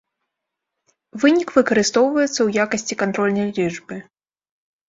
Вынік выкарыстоўваецца ў якасці кантрольнай лічбы.